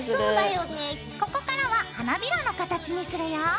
ここからは花びらの形にするよ。